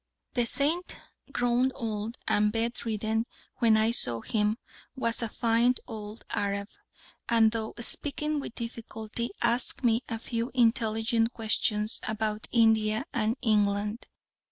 The saint, grown old and bedridden when I saw him, was a fine old Arab, and though speaking with difficulty, asked me a few intelligent questions about India and England.